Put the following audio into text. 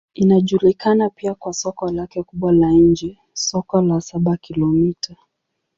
Inajulikana pia kwa soko lake kubwa la nje, Soko la Saba-Kilomita.